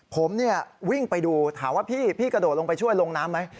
ผมวิ่งไปดูถามว่าพี่กระโดดลงไปช่วยลงน้ำไหม